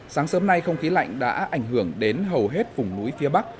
sáng sớm nay không khí lạnh đã ảnh hưởng đến hầu hết vùng núi phía bắc